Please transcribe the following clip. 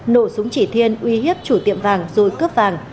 nổ súng chỉ thiên uy hiếp chủ tiệm vàng rồi cướp vàng